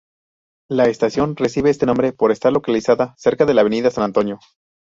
La estación recibe este nombre por estar localizada cerca de la Avenida San Antonio.